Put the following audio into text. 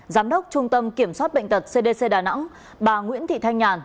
giám đốc trung tâm kiểm soát bệnh tật cdc đà nẵng bà nguyễn thị thanh nhàn